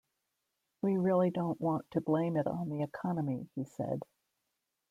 "We really don't want to blame it on the economy," he said.